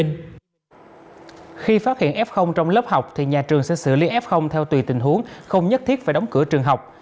khi phát hiện f trong lớp học thì nhà trường sẽ xử lý f theo tùy tình huống không nhất thiết phải đóng cửa trường học